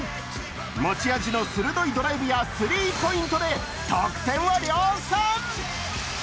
持ち味の鋭いドライブやスリーポイントで得点を量産。